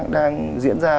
đang diễn ra